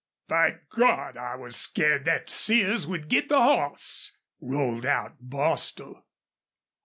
"My Gawd! I was scared thet Sears would get the hoss!" rolled out Bostil.